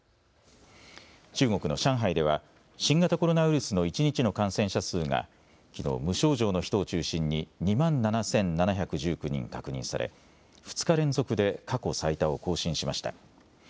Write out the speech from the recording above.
中国の上海では新型コロナウイルスの一日の感染者数がきのう無症状の人を中心に２万７７１９人確認され、２日連続で過去最多を更新しました。